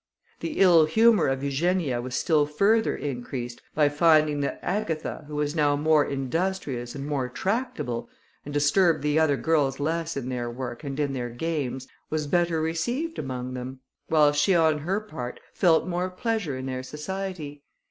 The ill humour of Eugenia was still further increased by finding that Agatha, who was now more industrious and more tractable, and disturbed the other girls less in their work and in their games, was better received among them, while she on her part felt more pleasure in their society.